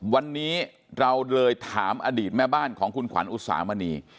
วันนี้เราเลยถามอดีตแม่บ้านของคุณขวัญอุตสามณี